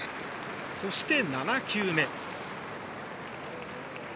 そして７球目。